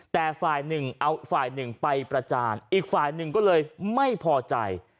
แต่ฝ่ายหนึ่งเอาฝ่ายหนึ่งไปประจานอีกฝ่ายหนึ่งก็เลยไม่พอใจ